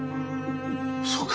そうか。